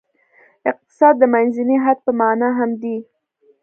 اقتصاد د منځني حد په معنا هم دی.